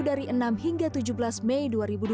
dari enam hingga tujuh belas mei dua ribu dua puluh